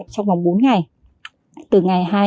trong vòng bốn ngày